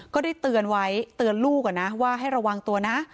ก็ได้เตือนไว้เตือนลูกว่าให้ระวังตัวนะ